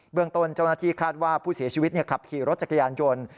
เมืองต้นเจ้าหน้าที่คาดว่าผู้เสียชีวิตขับขี่รถจักรยานยนต์